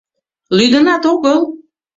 — Лӱдынат огыл?